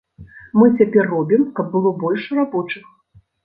Мы цяпер робім, каб было больш рабочых.